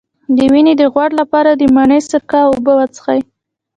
د وینې د غوړ لپاره د مڼې سرکه او اوبه وڅښئ